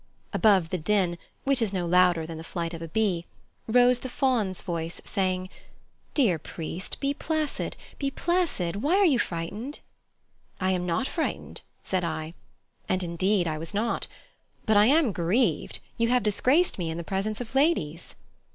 Above the din which is no louder than the flight of a bee rose the Faun's voice saying, "Dear priest, be placid, be placid: why are you frightened?" "I am not frightened," said I and indeed I was not. "But I am grieved: you have disgraced me in the presence of ladies."